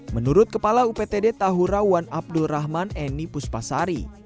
menurut kepala uptd tahu rawan abdul rahman eni puspasari